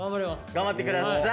頑張って下さい。